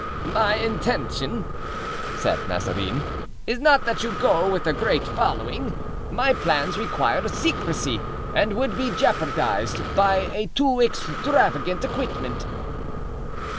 "My intention," said Mazarin, "is not that you go with a great following; my plans require secrecy, and would be jeopardized by a too extravagant equipment."